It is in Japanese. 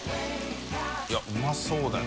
いうまそうだよ。